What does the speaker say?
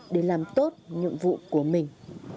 để làm tốt nhiệm vụ của mình